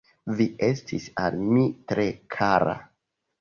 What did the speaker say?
Vi estis al mi tre kara.